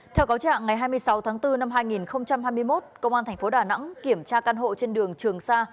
theo cáo trạng ngày hai mươi sáu tháng bốn năm hai nghìn hai mươi một công an thành phố đà nẵng kiểm tra căn hộ trên đường trường sa